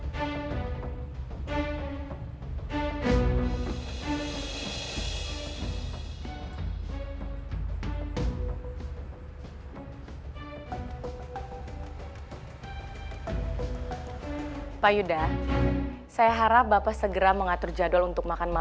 saya yang terima kasih